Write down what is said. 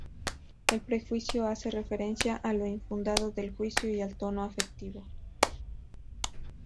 El prejuicio hace referencia a lo infundado del juicio y al tono afectivo.